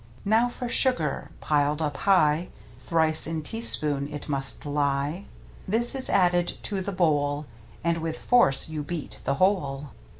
Now for sugar — piled up high Thrice in teaspoon it must lie — This is added to the bowl, And with force you beat the whole.